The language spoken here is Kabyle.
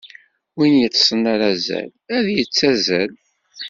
Win yeṭṭsen ar azal, ad d-yettazzal.